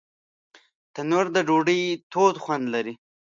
تنور د ډوډۍ تود خوند لري